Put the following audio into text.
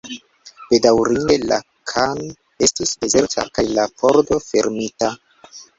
Bedaŭrinde, la khan estis dezerta, kaj la pordo fermita.